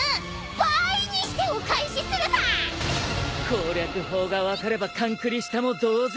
攻略法が分かれば完クリしたも同然。